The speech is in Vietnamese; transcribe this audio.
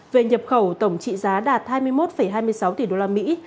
về nhập khẩu tổng trị giá đạt hai mươi một hai mươi sáu tỷ đô la mỹ